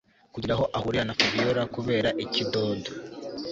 kugira aho ahurira na Fabiora kubera ikidodo